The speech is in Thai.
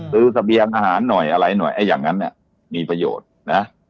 เสบียงอาหารหน่อยอะไรหน่อยไอ้อย่างนั้นเนี่ยมีประโยชน์นะ